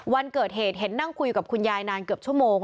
วันเกิดเหตุเห็นนั่งคุยกับคุณยายนานเกือบชั่วโมง